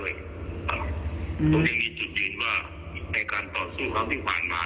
ผมยังมีจุดยืนว่าในการต่อสู้ครั้งที่ผ่านมา